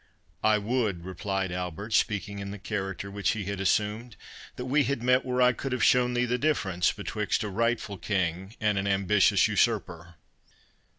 "I would," replied Albert, speaking in the character which he had assumed, "that we had met where I could have shown thee the difference betwixt a rightful King and an ambitious Usurper!"